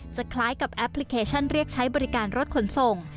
คล้ายกับแอปพลิเคชันเรียกใช้บริการรถขนส่ง